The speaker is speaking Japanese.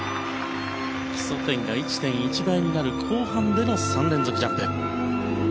基礎点が１．１倍になる後半での３連続ジャンプ。